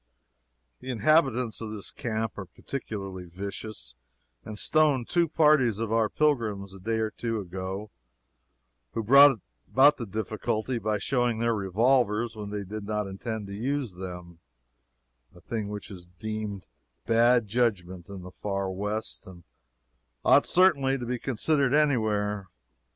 The inhabitants of this camp are particularly vicious, and stoned two parties of our pilgrims a day or two ago who brought about the difficulty by showing their revolvers when they did not intend to use them a thing which is deemed bad judgment in the Far West, and ought certainly to be so considered any where.